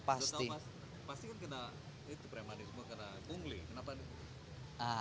pasti kan kena kremanisme kena bungling kenapa